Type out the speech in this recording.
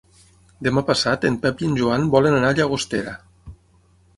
Demà passat en Pep i en Joan volen anar a Llagostera.